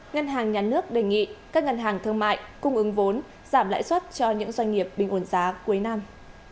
ngân hàng nhà nước đề nghị các ngân hàng thương mại cung ứng vốn giảm lãi suất cho những doanh nghiệp bình ổn giá cuối năm